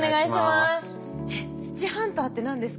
えっ土ハンターって何ですか？